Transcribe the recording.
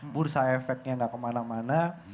bursa efeknya nggak kemana mana